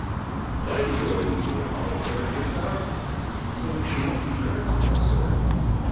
"Why do you always give me a bottle of water, Gustav?" "So that you won't be burned to death, sir."